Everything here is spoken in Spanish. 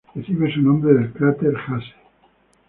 Recibe su nombre del cráter Hase.